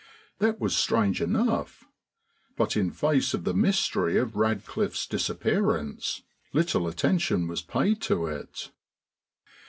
That was strange enough, but in face of the mystery of Radcliffe's disappearance little attention was paid it.